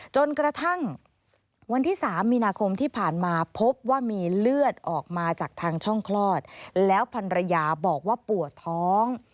จนกระทั่งวันที่๓มีนาคมที่ผ่านมาพบว่ามีเลือดออกมาจากทางช่องคลอดแล้วพันรยาบอกว่าปวดท้อง